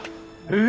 え！